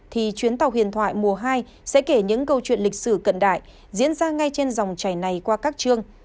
thì chuyến tàu huyền thoại mùa hai sẽ kể những câu chuyện lịch sử cận đại diễn ra ngay trên dòng chảy này qua các chương